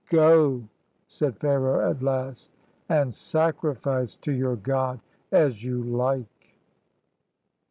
"Go," said Pharaoh, at last, "and sacrifice to your God as you like."